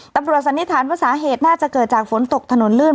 สันนิษฐานว่าสาเหตุน่าจะเกิดจากฝนตกถนนลื่น